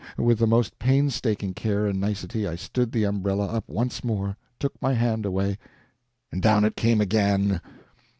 With the most painstaking care and nicety, I stood the umbrella up once more, took my hand away, and down it came again.